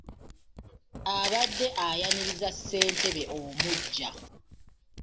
Abadde ayaniriza ssentebe omuggya.